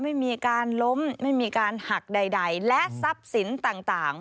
ไม่มีการล้มไม่มีการหักใดและทรัพย์สินต่าง